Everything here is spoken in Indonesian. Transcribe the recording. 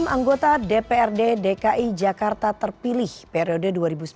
satu ratus enam anggota dprd dki jakarta terpilih periode dua ribu sembilan belas dua ribu dua puluh empat